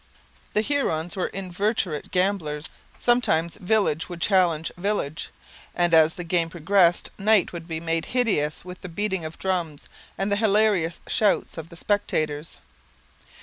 The Hurons were inveterate gamblers; sometimes village would challenge village; and, as the game progressed, night would be made hideous with the beating of drums and the hilarious shouts of the spectators.